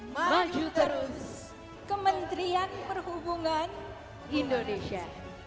maju terus kementerian perhubungan indonesia